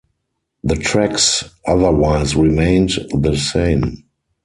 The tracks otherwise remained the same.